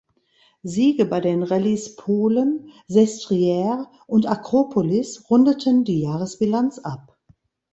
Siege bei den Rallyes Polen, Sestriere und Akropolis rundeten die Jahresbilanz ab.